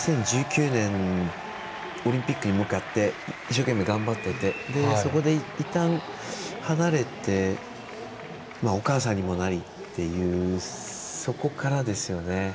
２０１９年オリンピックに向かって一生懸命頑張ってて、そこで離れてお母さんにもなりっていうそこからですよね。